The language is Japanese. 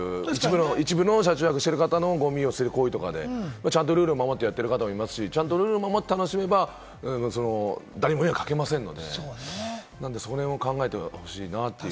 一部の車中泊してる方の、ゴミを捨てる行為とかで、ちゃんとルールを守ってやってる方もいますし、ルールを守って楽しめば、誰にも迷惑をかけませんので、その辺を考えてほしいなって。